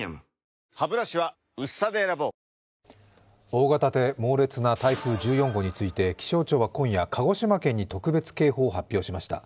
大型で猛烈な台風１４号について、気象庁は今夜、鹿児島県に特別警報を発表しました。